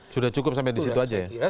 sudah cukup sampai di situ aja ya